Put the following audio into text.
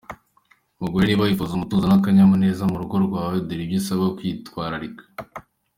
Mugore niba wifuza umutuzo n’akanyamuneza mu rugo rwawe dore ibyo usabwa kwitwararika.